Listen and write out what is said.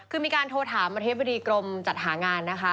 คือมีการโทรถามอธิบดีกรมจัดหางานนะคะ